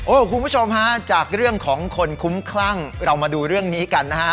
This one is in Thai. คุณผู้ชมฮะจากเรื่องของคนคุ้มคลั่งเรามาดูเรื่องนี้กันนะฮะ